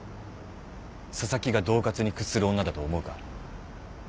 紗崎がどう喝に屈する女だと思うか？